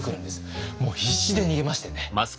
もう必死で逃げましてね。